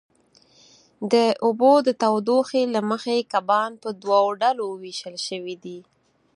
د اوبو د تودوخې له مخې کبان په دوو ډلو وېشل شوي دي.